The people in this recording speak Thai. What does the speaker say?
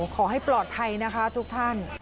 ขอให้ปลอดภัยนะคะทุกท่าน